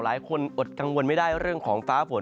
อดกังวลไม่ได้เรื่องของฟ้าฝน